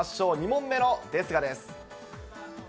２問目のですがです。